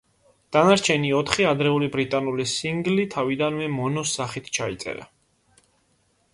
დანარჩენი ოთხი ადრეული ბრიტანული სინგლი თავიდანვე მონოს სახით ჩაიწერა.